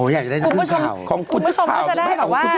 อ๋ออยากจะได้ส่วนข่าวของคุณผู้ชมก็จะได้แบบว่า